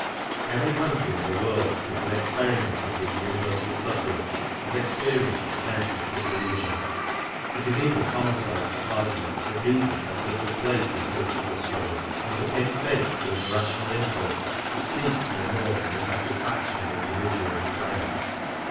Every country in the world that has experimented with univer sal suffrage has experienced a sense of disillusion. It is even commonplace to argue that reason has little place in political struggle, and to pin faith to an irrational impulse which seeks no more than the satisfaction of individual desire.